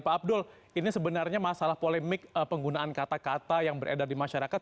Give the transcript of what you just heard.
pak abdul ini sebenarnya masalah polemik penggunaan kata kata yang beredar di masyarakat